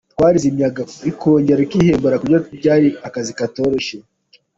Twarizimyaga rikongera rikihembera ku buryo byari akazi katoroshye.